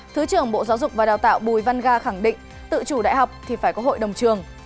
thứ trưởng bộ giáo dục và đào tạo bùi văn ga khẳng định tự chủ đại học thì phải có hội đồng trường